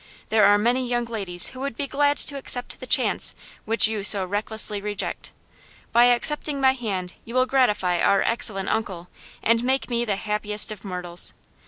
There are many young ladies who would be glad to accept the chance which you so recklessly reject. By accepting my hand you will gratify our excellent uncle, and make me the happiest of mortals.